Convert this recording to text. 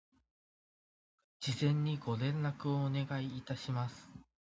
事前にご連絡をお願いいたします